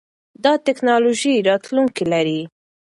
دا ټکنالوژي راتلونکی لري.